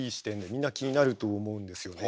みんな気になると思うんですよね。